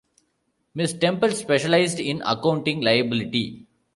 Ms. Temple specialized in accounting liability.